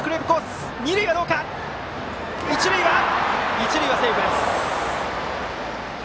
一塁はセーフです。